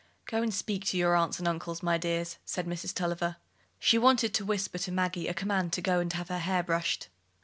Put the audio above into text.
"Go and speak to your aunts and uncles, my dears," said Mrs. Tulliver. She wanted to whisper to Maggie a command to go and have her hair brushed.